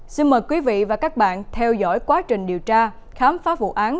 xin mời quý vị và các bạn theo dõi quá trình điều tra khám phá vụ án